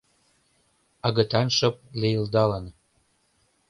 Агытан шып лийылдалын